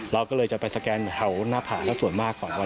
เราจะเลยไปสแกนด์เท่าน้ำหากันความมากกว่าในครับผม